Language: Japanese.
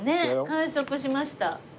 完食しました。